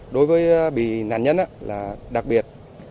đối với bị nạn nhân là đặc biệt